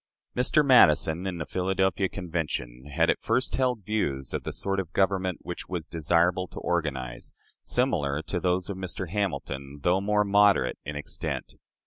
Mr. Madison, in the Philadelphia Convention, had at first held views of the sort of government which it was desirable to organize, similar to those of Mr. Hamilton, though more moderate in extent.